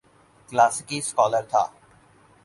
کلاسیکی سکالر تھا۔